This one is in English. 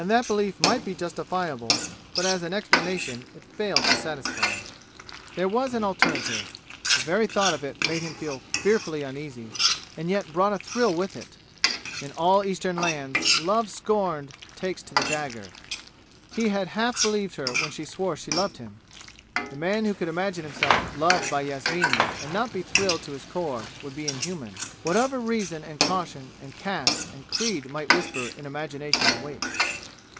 And that belief might be justifiable, but as an explanation it failed to satisfy. There was an alternative, the very thought of which made him fearfully uneasy, and yet brought a thrill with it. In all eastern lands, love scorned takes to the dagger. He had half believed her when she swore she loved him! The man who could imagine himself loved by Yasmini and not be thrilled to his core would be inhuman, whatever reason and caution and caste and creed might whisper in imagination's wake.